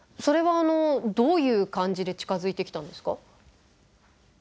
それはあのどういう感じで近づいてきたんですか？